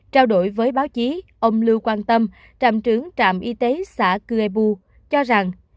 trao đổi với báo chí ông lưu quang tâm trạm trưởng trạm y tế xã cư ê bu cho rằng